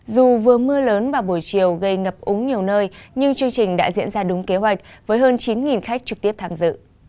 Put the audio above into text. dù vừa mưa lớn vào buổi chiều gây ngập úng nhiều nơi nhưng chương trình đã diễn ra đúng kế hoạch với hơn chín khách trực tiếp tham dự